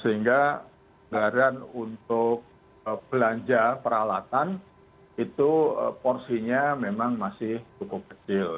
sehingga anggaran untuk belanja peralatan itu porsinya memang masih cukup kecil